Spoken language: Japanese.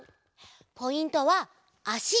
ポイントはあし。